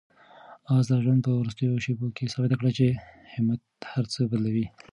آس د ژوند په وروستیو شېبو کې ثابته کړه چې همت هر څه بدلوي.